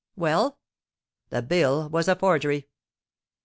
"Well?" "That bill was a forgery."